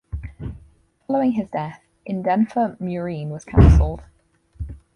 Following his death "Indenfor Murene" was cancelled.